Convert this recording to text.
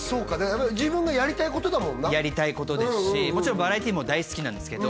自分がやりたいことだもんなやりたいことですしもちろんバラエティーも大好きなんですけど